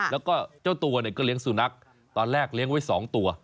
แล้วก็เจ้าตัวเนี่ยก็เลี้ยงสุนัขตอนแรกเลี้ยงไว้๒ตัว